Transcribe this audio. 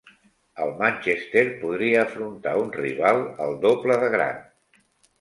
El Manchester podria afrontar un rival el doble de gran.